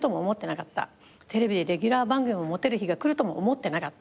テレビでレギュラー番組を持てる日が来るとも思ってなかった。